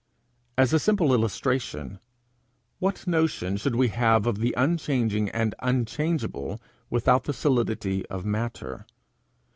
As a simple illustration: What notion should we have of the unchanging and unchangeable, without the solidity of matter?